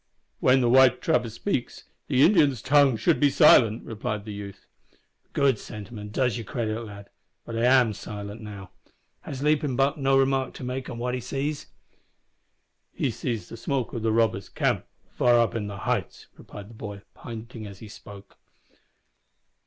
"When the white trapper speaks, the Indian's tongue should be silent," replied the youth. "A good sentiment and does you credit, lad. But I am silent now. Has Leaping Buck no remark to make on what he sees?" "He sees the smoke of the robber's camp far up the heights," replied the boy, pointing as he spoke.